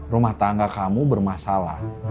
rumah tangga kamu bermasalah